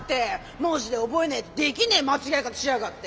文字で覚えねえとできねえ間違い方しやがって！